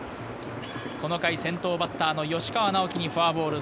この回先頭バッターの吉川尚輝にフォアボール。